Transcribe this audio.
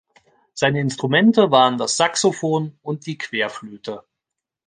Seine Instrumente waren das Saxophon und die Querflöte.